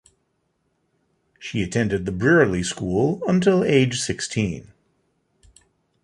She attended the Brearley School until age sixteen.